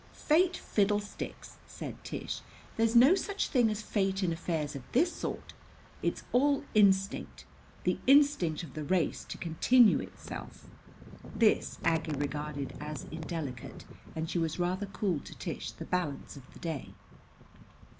"Fate fiddlesticks!" said Tish. "There's no such thing as fate in affairs of this sort. It's all instinct the instinct of the race to continue itself." This Aggie regarded as indelicate and she was rather cool to Tish the balance of the day.